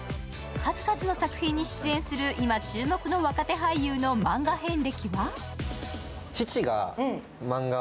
数々の作品に出演する今注目の若手俳優のマンガ遍歴は？